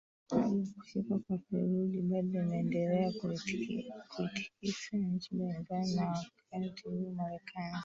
hali ya kushuka kwa theluji bado imendelea kuitikisa nchi mbalimbali na wakati huo marekani